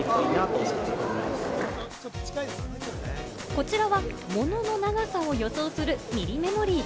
こちらは物の長さを予想するミリメモリー。